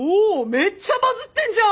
めっちゃバズってんじゃん！